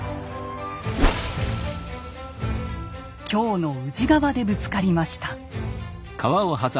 京の宇治川でぶつかりました。